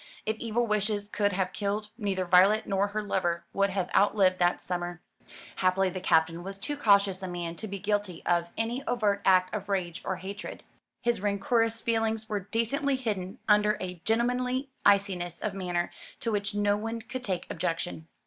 If evil wishes could have killed, neither Violet nor her lover would have outlived that summer. Happily the Captain was too cautious a man to be guilty of any overt act of rage or hatred. His rancorous feelings were decently hidden under a gentlemanly iciness of manner, to which no one could take objection.